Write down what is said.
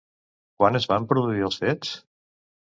Quan es van produir els fets?